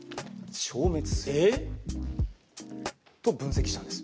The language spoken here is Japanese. えっ？と分析したんです。